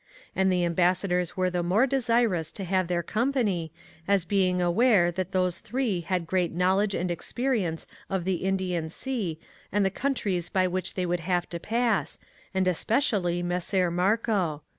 And the ambassadors were the more desirous to have their company, as being aware that those three had great knowledge and experience of the Indian Sea and the countries by which they would have to pass, and especially Messer Marco.